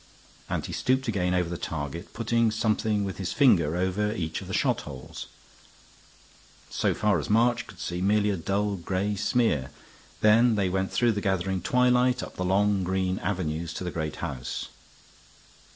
And he stooped again over the target, putting something with his finger over each of the shot holes, so far as March could see merely a dull gray smear. Then they went through the gathering twilight up the long green avenues to the great house.